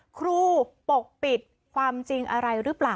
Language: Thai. ปกปิดความจริงอะไรหรือเปล่า